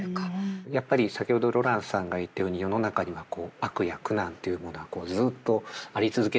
やっぱり先ほどロランスさんが言ったように世の中には悪や苦難というものがずっとあり続けるのはなぜか。